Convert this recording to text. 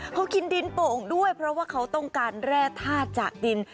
เขากินดินโป่งด้วยเพราะว่าเขาต้องการแร่ธาตุจากดิน